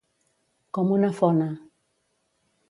Com una fona.